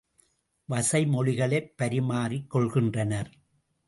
வசைமொழிகளைப் பரிமாறிக் கொள்கின்றனர்!